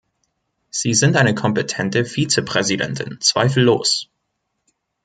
Sie sind eine kompetente Vizepräsidentin, zweifellos.